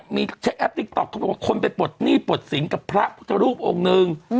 มีแอปติ๊กต๊อกคนไปปลดหนี้ปลดศิลป์กับพระพุทธรูปองค์นึง